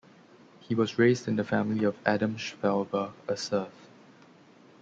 He was raised in the family of Adam Shvalber, a serf.